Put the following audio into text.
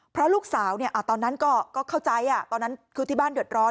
เพราะลูกสาวตอนนั้นก็เข้าใจตอนนั้นคือที่บ้านเดือดร้อน